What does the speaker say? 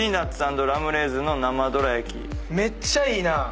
めっちゃいいな！